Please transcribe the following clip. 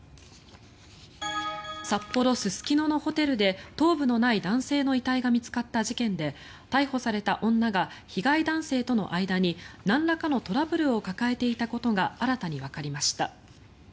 札幌・すすきののホテルで頭部のない男性の遺体が見つかった事件で逮捕された女が被害男性との間になんらかのトラブルを抱えていたことが新たにわかりました。